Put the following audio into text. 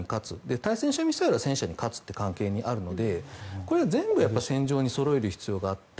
対戦車ミサイルは戦車に勝つっていう関係にあるので全部を戦場にそろえる必要があって。